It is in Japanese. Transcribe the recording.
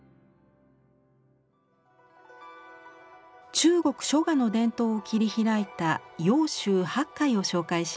中国書画の伝統を切り開いた揚州八怪を紹介します。